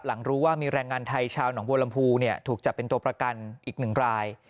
รู้ว่ามีแรงงานไทยชาวหนองบัวลำพูถูกจับเป็นตัวประกันอีกหนึ่งราย